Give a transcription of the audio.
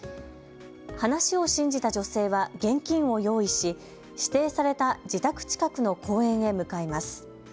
話を信じた女性は現金を用意し指定された自宅近くの公園へ向かいます。